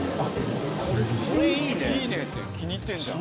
「いいね」って気に入ってんじゃん。